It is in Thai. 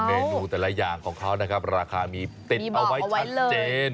เมนูแต่ละอย่างของเขานะครับราคามีติดเอาไว้ชัดเจน